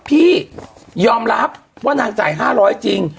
พี่ยอมรับว่านางจ่าย๕๐๐จริง